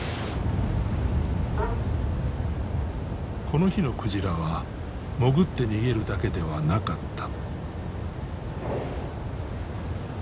この日の鯨は潜って逃げるだけではなかった。